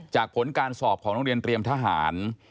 ผลการสอบของโรงเรียนเตรียมทหาร